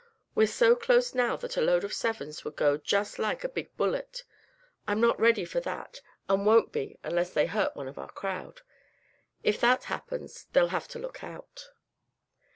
We're so close now that a load of Sevens would go just like a great big bullet. I'm not ready for that and won't be unless they hurt one of our crowd. If that happens, they'll have to look out."